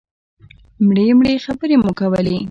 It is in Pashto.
مړې مړې خبرې مو کولې.